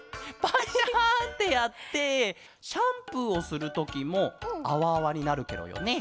バッシャってやってシャンプーをするときもあわあわになるケロよね。